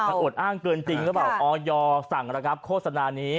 มันอวดอ้างเกินจริงหรือเปล่าออยสั่งระงับโฆษณานี้